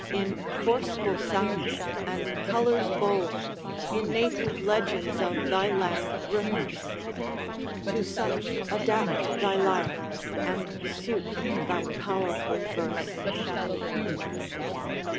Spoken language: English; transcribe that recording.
in forceful sounds and colours bold, The native legends of thy land rehearse; To such adapt thy lyre and suit thy powerful verse.